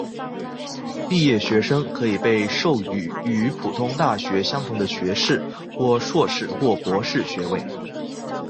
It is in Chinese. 毕业学生可以被授予与普通大学相同的学士或硕士或博士学位。